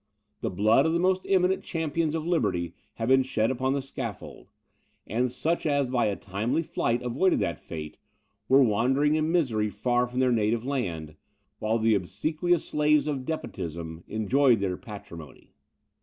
The blood of the most eminent champions of liberty had been shed upon the scaffold; and such as by a timely flight avoided that fate, were wandering in misery far from their native land, while the obsequious slaves of despotism enjoyed their patrimony.